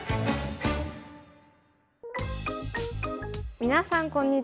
皆さんこんにちは。